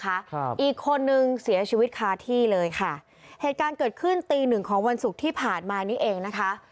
ครับอีกคนนึงเสียชีวิตคาที่เลยค่ะเหตุการณ์เกิดขึ้นตีหนึ่งของวันศุกร์ที่ผ่านมานี้เองนะคะ